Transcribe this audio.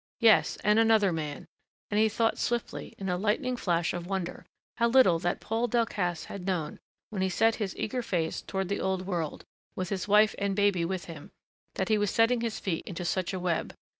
Yes, and another man and he thought swiftly, in a lightning flash of wonder, how little that Paul Delcassé had known when he set his eager face toward the Old World, with his wife and baby with him, that he was setting his feet into such a web